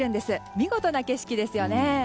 見事な景色ですよね。